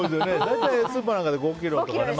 大体スーパーなんかで５ｋｇとかでね。